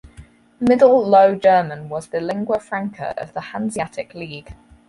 Middle Low German was the lingua franca of the Hanseatic League.